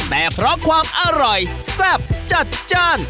แต่เพราะความอร่อยแซ่บจัดจ้าน